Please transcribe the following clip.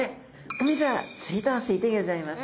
お水は水道水でギョざいます。